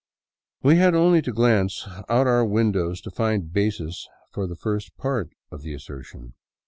We had only to glance out our windows to find basis for the first part of the assertion.